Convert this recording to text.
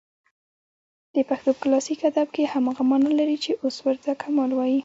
د پښتو په کلاسیک ادب کښي هماغه مانا لري، چي اوس ورته کمال وايي.